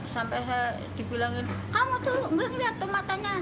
sampai saya dibilangin kamu tuh enggak ngeliat tuh matanya